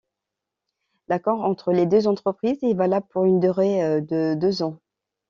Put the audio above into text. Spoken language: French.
L'accord entre les deux entreprises est valable pour une durée de deux ans.